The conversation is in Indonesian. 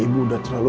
ibu mengurus kamu